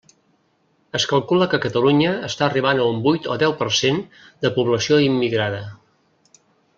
Es calcula que Catalunya està arribant a un vuit o deu per cent de població immigrada.